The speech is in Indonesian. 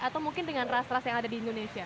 atau mungkin dengan ras ras yang ada di indonesia